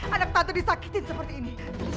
anak tante disakitin seperti ini